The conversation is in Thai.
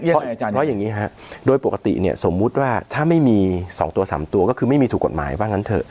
เพราะอย่างนี้ฮะโดยปกติเนี่ยสมมุติว่าถ้าไม่มี๒ตัว๓ตัวก็คือไม่มีถูกกฎหมายว่างั้นเถอะ